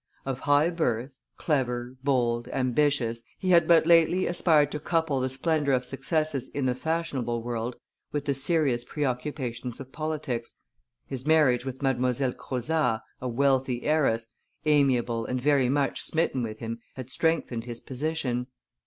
Of high birth, clever, bold, ambitious, he had but lately aspired to couple the splendor of successes in the fashionable world with the serious preoccupations of politics; his marriage with Mdlle. Crozat, a wealthy heiress, amiable and very much smitten with him, had strengthened his position.